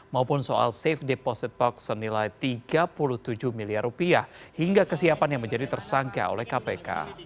maupun soal safe deposit box senilai tiga puluh tujuh miliar rupiah hingga kesiapan yang menjadi tersangka oleh kpk